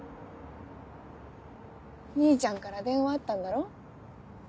兄ちゃんから電話あったんだろ？